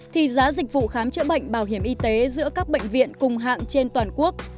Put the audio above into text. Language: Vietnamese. thì giá dịch vụ khám chữa bệnh bảo hiểm y tế giữa các bệnh viện cùng hạng trên toàn quốc